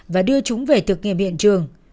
và đưa chúng về thực nghiệp hiện trường